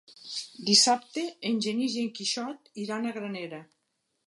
Dissabte en Genís i en Quixot iran a Granera.